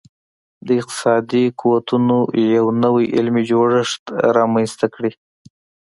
د اقتصادي قوتونو یو نوی علمي جوړښت رامنځته کړي